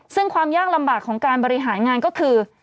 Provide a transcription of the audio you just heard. ซึ่งความยากลำบากของการบริหารงานก็คือ